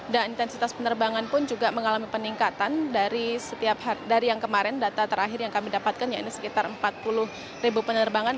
dan intensitas penerbangan pun juga mengalami peningkatan dari yang kemarin data terakhir yang kami dapatkan ya ini sekitar empat puluh penerbangan